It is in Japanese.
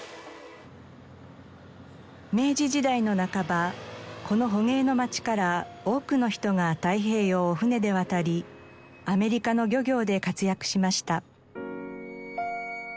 明治時代の半ばこの捕鯨の町から多くの人が太平洋を船で渡りアメリカの漁業で活躍しました。